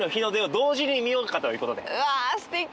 うわすてき！